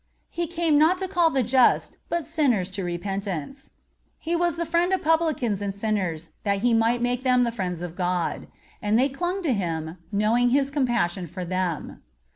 (44) He "came not to call the just but sinners to repentance." He was the Friend of Publicans and Sinners that He might make them the friends of God. And they clung to Him, knowing His compassion for them.